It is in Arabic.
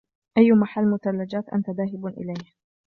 أي مَحَل مثلجات أنتَ ذاهب إليه ؟